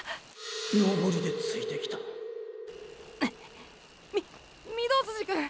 登りでついてきたみ御堂筋くん